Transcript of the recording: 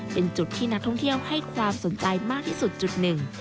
เป็นจุดที่นักท่องเที่ยวให้ความสนใจมากที่สุดจุดหนึ่ง